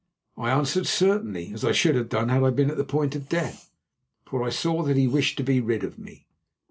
I answered, "Certainly," as I should have done had I been at the point of death, for I saw that he wished to be rid of me.